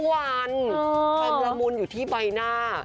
ความละมุนอยู่ที่ใบหน้า